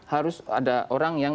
harus ada orang yang